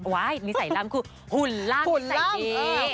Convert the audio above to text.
ว้ายนิสัยล่ำคือหุ่นล่ำนิสัยดี